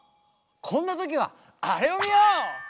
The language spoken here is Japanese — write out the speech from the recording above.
こんな時はあれを見よう！